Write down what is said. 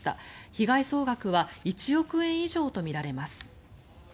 被害総額は１億円以上とみられます。